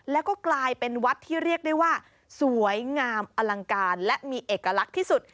แล้วก็กลายเป็นวัดที่เรียกได้ว่าสวยงามอลังการและมีเอกลักษณ์ที่สุด